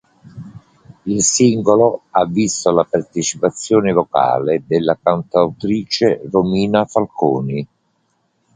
Il singolo ha visto la partecipazione vocale della cantautrice Romina Falconi.